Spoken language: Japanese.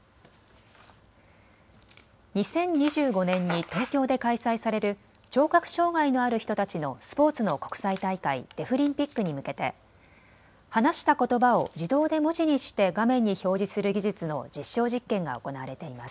２０２５年に東京で開催される聴覚障害のある人たちのスポーツの国際大会デフリンピックに向けて、話したことばを自動で文字にして画面に表示する技術の実証実験が行われています。